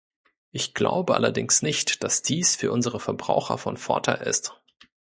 Ich glaube allerdings nicht, dass dies für unsere Verbraucher von Vorteil ist.